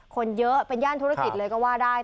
คนเยอะเป็นย่านธุรกิจเลยก็ว่าได้